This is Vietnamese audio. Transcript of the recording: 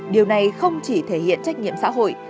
điều này không chỉ thể hiện trách nhiệm xã hội